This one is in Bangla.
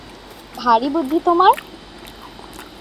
ভারি বুদ্ধি তোমার!